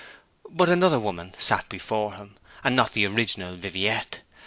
But another woman sat before him, and not the original Viviette.